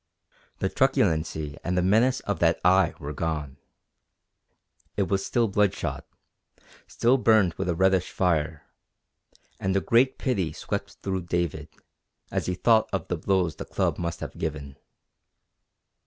The truculency and the menace of that eye were gone. It was still bloodshot, still burned with a reddish fire, and a great pity swept through David, as he thought of the blows the club must have given.